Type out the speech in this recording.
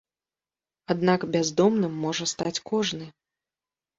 Аднак бяздомным можа стаць кожны.